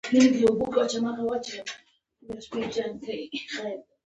د امریکا د سیندونو په هلکه څه پوهیږئ؟